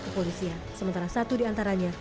ke polisi sementara satu diantaranya